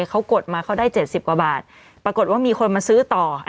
เขากดมาเขาได้๗๐กว่าบาทปรากฏว่ามีคนมาซื้อต่อ